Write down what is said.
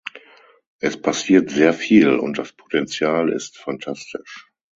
Es passiert sehr viel und das Potential ist fantastisch.